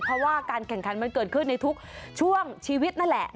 เพราะว่าการแข่งขันมันเกิดขึ้นในทุกช่วงชีวิตนั่นแหละ